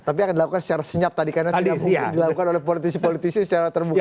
tapi akan dilakukan secara senyap tadi karena tidak mungkin dilakukan oleh politisi politisi secara terbuka